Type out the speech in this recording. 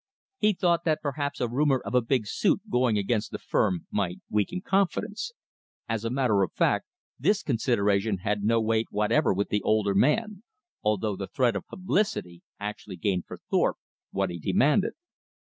He thought that perhaps a rumor of a big suit going against the firm might weaken confidence. As a matter of fact, this consideration had no weight whatever with the older man, although the threat of publicity actually gained for Thorpe what he demanded.